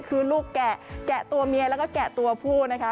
คือลูกแกะแกะตัวเมียแล้วก็แกะตัวผู้นะคะ